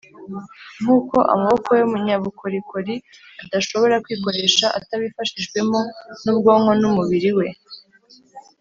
Nk’uko amaboko y’umunyabukorikori adashobora kwikoresha atabifashijwemo n’ubwonko n’umubiri we